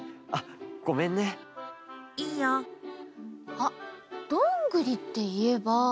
あっどんぐりっていえば。